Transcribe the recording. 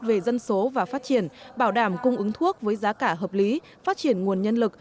về dân số và phát triển bảo đảm cung ứng thuốc với giá cả hợp lý phát triển nguồn nhân lực